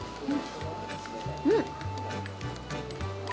うん！